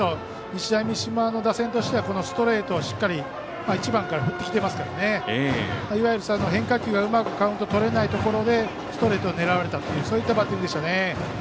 日大三島の打線としてはストレートをしっかり１番から振ってきていますから変化球がうまくカウントとれないところでストレートを狙われたというバッティングでしたね。